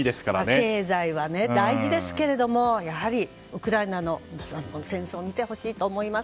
経済は大事ですけどもやはり、ウクライナの戦争を見てほしいと思います。